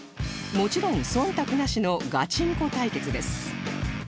もちろん忖度なしのガチンコ対決です